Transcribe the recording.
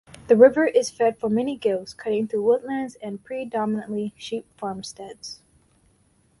The river is fed from many gills cutting through woodland and predominantly sheep farmsteads.